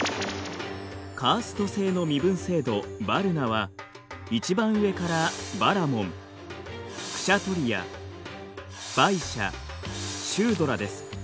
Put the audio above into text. カースト制の身分制度ヴァルナは一番上からバラモンクシャトリヤヴァイシャシュードラです。